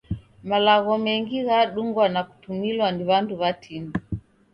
Malagho mengi ghadungwa na kutumilwa ni w'andu w'atini.